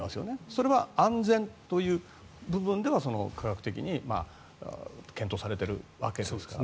それが安全という部分では科学的に検討されているわけですから。